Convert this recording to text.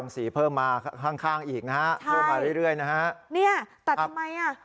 สีเพิ่มมาข้างอีกนะฮะพ่อมาเรื่อยนะฮะเนี่ยแต่ทำไมอ่ะ